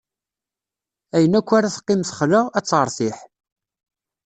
Ayen akk ara teqqim texla, ad teṛtiḥ.